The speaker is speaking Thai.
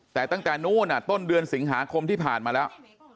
แต่ตั้งแต่นู้นต้นเดือนสิงหาคมที่ผ่านมาแล้ว